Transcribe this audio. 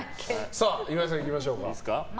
岩井さん、いきましょうか。